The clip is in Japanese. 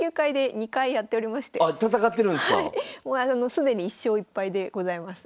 既に１勝１敗でございます。